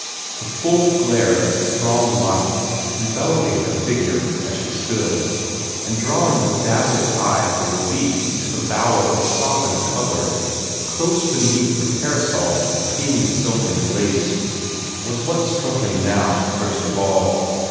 The full glare of its strong light, enveloping her figure as she stood, and drawing the dazzled eye for relief to the bower of softened color, close beneath her parasol of creamy silk and lace, was what struck him now first of all.